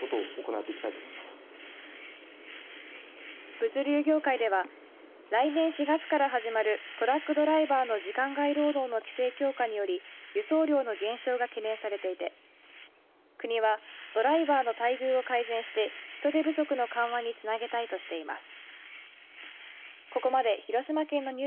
物流業界では来年４月から始まるトラックドライバーの時間外労働の規制強化により輸送量の減少が懸念されていて国はドライバーの待遇を改善して人手不足の緩和につなげたいとしています。